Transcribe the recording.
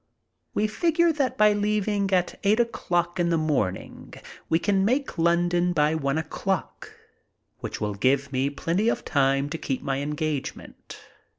We figure that by leaving at eight o'clock in the morning we can make London by one o'clock, which will give me plenty of time to keep my engagement.